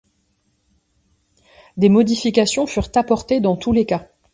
Des modifications furent apportées dans tous les cas.